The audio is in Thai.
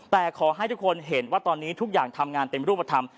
แต่ขอให้ทุกคนเห็นว่าตอนนี้ทุกอย่างทำงานเป็นรูปธรรม